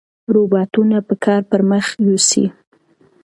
روباټونه به کار پرمخ یوسي.